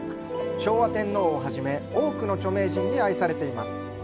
昭和天皇を初め、多くの著名人に愛されています。